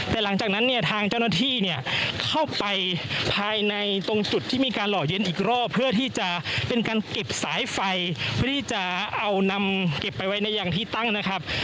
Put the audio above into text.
แต่หลังจากนั้นเนี่ยทางเจ้าหน้าที่เนี่ยเข้าไปภายในตรงจุดที่มีการหล่อเย็นอีกรอบเพื่อที่จะเป็นการเก็บสายไฟเพื่อที่จะเอานำเก็บไปไว้ในอย่างที่ตั้งนะครับ